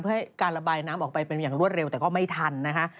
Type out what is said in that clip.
เพื่อให้การระบายน้ำออกไปเป็นอย่างรวดเร็วแต่ก็ไม่ทันนะคะ